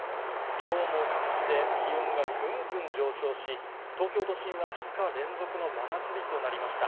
きょうも各地で、気温がぐんぐん上昇し、東京都心は２日連続の真夏日となりました。